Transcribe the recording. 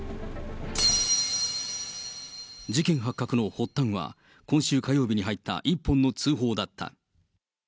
事件発覚の発端は、今週火曜日に入った１本の通報だった。